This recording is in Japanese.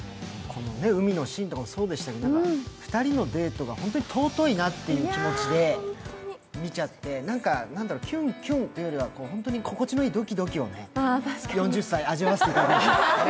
この海のシーンとかそうでしたけど、２人のデートが、本当に尊いなという気持ちで見ちゃってキュンキュンよりは、本当に心地よいドキドキを４０歳、味わわせていただきました。